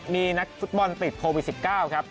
มีนักศุษย์บอลติดโควิด๑๙